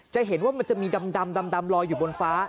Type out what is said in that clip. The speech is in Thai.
จะเห็นว่ามันจะมีดำลอยอยู่บนฟ้า